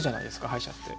歯医者って。